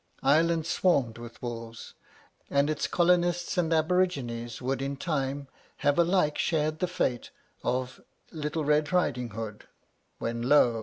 Ireland swarmed with wolves, and its colonists and aborigines would in time have alike shared the fate of 'little Red Riding Hood;' when, lo!